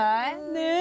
ねえ。